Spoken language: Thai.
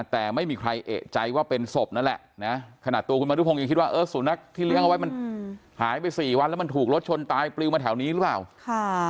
แต่ไม่มีใครเอกใจว่าเป็นศพนั่นแหละนะขนาดตัวคุณมนุพงศ์ยังคิดว่าเออสุนัขที่เลี้ยงเอาไว้มันหายไปสี่วันแล้วมันถูกรถชนตายปลิวมาแถวนี้หรือเปล่าค่ะ